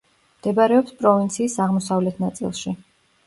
მდებარეობს პროვინციის აღმოსავლეთ ნაწილში.